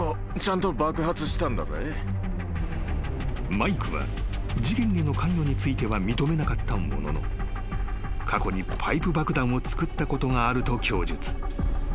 ［マイクは事件への関与については認めなかったものの過去にパイプ爆弾を作ったことがあると供述］